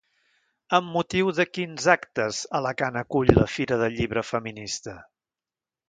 Amb motiu de quins actes Alacant acull la Fira del Llibre feminista?